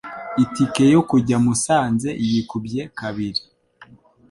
Itike yo kujya musanze yikubye kabiri